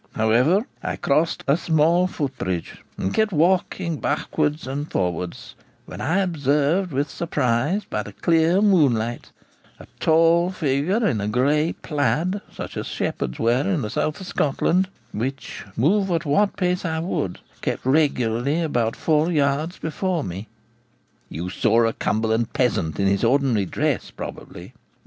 However I crossed a small footbridge, and kept walking backwards and forwards, when I observed with surprise by the clear moonlight a tall figure in a grey plaid, such as shepherds wear in the south of Scotland, which, move at what pace I would, kept regularly about four yards before me.' 'You saw a Cumberland peasant in his ordinary dress, probably.'